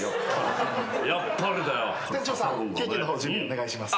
店長さんケーキの方準備お願いします。